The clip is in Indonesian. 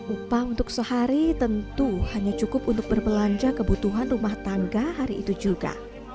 upah untuk sehari tentu hanya cukup untuk berbelanja kebutuhan rumah tangga hari itu juga